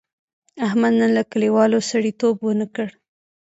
احمد نن له کلیوالو سړیتیوب و نه کړ.